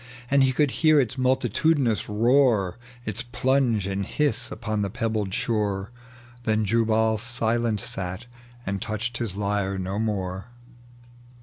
And he could hear its multitudinous roar, Its plunge and hiss upon the pebbled shore : Then Jubal silent sat, and touched his lyre no more.